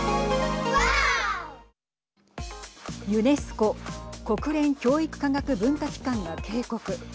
ユネスコ＝国連教育科学文化機関が警告。